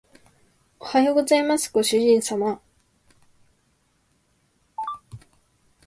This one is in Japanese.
おはようございますご主人様